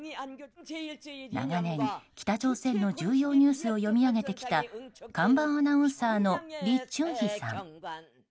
長年、北朝鮮の重要ニュースを読み上げてきた看板アナウンサーのリ・チュンヒさん。